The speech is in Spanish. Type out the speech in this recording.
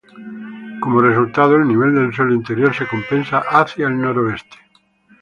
Como resultado, el nivel del suelo interior se compensa hacia el noreste.